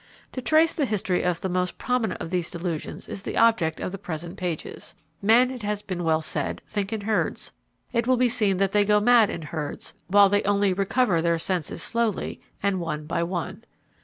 To trace the history of the most prominent of these delusions is the object of the present pages. Men, it has been well said, think in herds; it will be seen that they go mad in herds, while they only recover their senses slowly, and one by one.